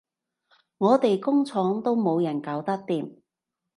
我哋工廠都冇人搞得掂